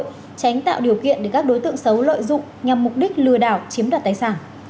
tránh tạo điều kiện để các đối tượng xấu lợi dụng nhằm mục đích lừa đảo chiếm đoạt tài sản